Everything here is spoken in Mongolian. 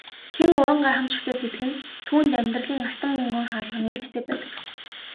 Хэн уран гайхамшигтай сэтгэнэ түүнд амьдралын алтан мөнгөн хаалга нээлттэй байдаг.